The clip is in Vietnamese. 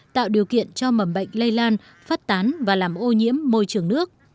tạo điều kiện cho mầm bệnh lây lan phát tán và làm ô nhiễm môi trường nước